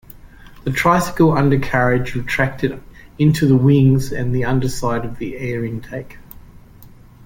The tricycle undercarriage retracted into the wings and the underside of the air intake.